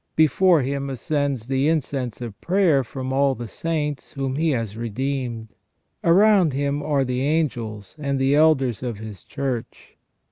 Before Him ascends the incense of prayer from all the saints whom He has redeemed ; around Him are the angels and the elders of His Church.